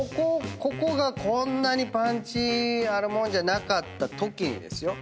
ここがこんなにパンチあるもんじゃなかったときにですよ。